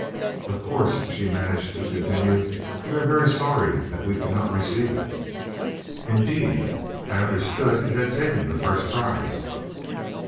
"Of course," she managed to continue, "we are very sorry that we cannot receive it." "Indeed? I understood it had taken the first prize."